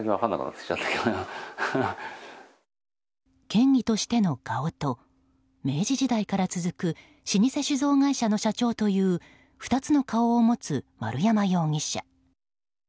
県議としての顔と明治時代から続く老舗酒造会社の社長という２つの顔を持つ丸山容疑者。